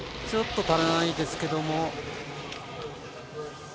ちょっと足りないですけど。